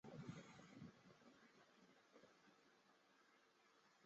反射镜通过沿单轴在白天跟踪太阳。